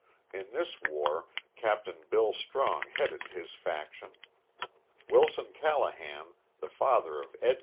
In this war Capt. Bill Strong headed his faction. Wilson Callahan, the father of Ed.